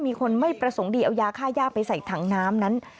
มีคนไม่ประสงค์ดีเอายาค่าย่าไปใส่ถังน้ำนั้น